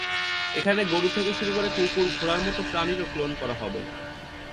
এখানে গরু থেকে শুরু করে কুকুর, ঘোড়ার মতো প্রাণীরও ক্লোন করা হবে।